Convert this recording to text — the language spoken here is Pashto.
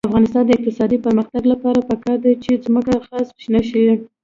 د افغانستان د اقتصادي پرمختګ لپاره پکار ده چې ځمکه غصب نشي.